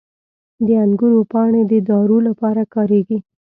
• د انګورو پاڼې د دارو لپاره کارېږي.